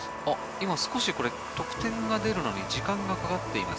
今、得点が出るのに時間がかかっています。